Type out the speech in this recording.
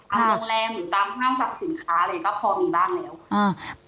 ตามโรงแรมหรือตามข้ามสรรคสินค้าอะไรอย่างนี้ก็พอมีบ้างแล้ว